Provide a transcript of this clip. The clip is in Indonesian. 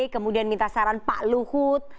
kemudian minta saran pak luhut